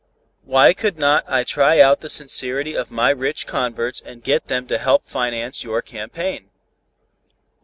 "Why could not I 'try out' the sincerity of my rich converts and get them to help finance your campaign?"